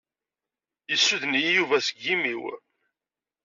Yessuden-iyi Yuba seg imi-w.